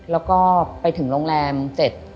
แล้วก็ไปถึงโรงแรมเสร็จ